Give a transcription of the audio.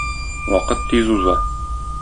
Вакыт тиз уза.